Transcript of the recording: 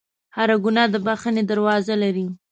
هر ګناه د بخښنې دروازه لري.